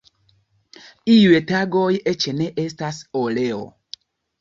Iuj tagoj eĉ ne estas oleo.